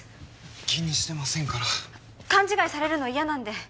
気にしてませんから勘違いされるの嫌なんで